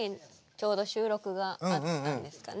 ちょうど収録があったんですかね？